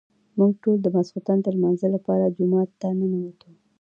موږ ټول د ماسخوتن د لمانځه لپاره جومات ته ننوتو.